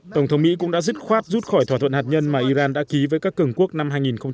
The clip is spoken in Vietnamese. tổng thống mỹ cũng đã dứt khoát rút khỏi thỏa thuận hạt nhân mà iran đã ký với các cường quốc năm hai nghìn một mươi năm